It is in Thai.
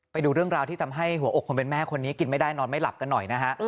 ไปดูเรื่องราวที่ทำให้หัวอกคนเป็นแม่คนนี้กินไม่ได้นอนไม่หลับกันหน่อยนะฮะ